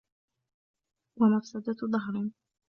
وَمَفْسَدَةَ دَهْرٍ